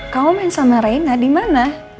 kamu main sama reina di mana